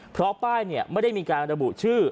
เพราะป้ายไม่ได้มีการระบุชื่อ